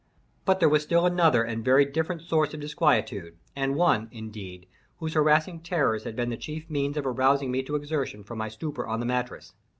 But there was still another and very different source of disquietude, and one, indeed, whose harassing terrors had been the chief means of arousing me to exertion from my stupor on the mattress.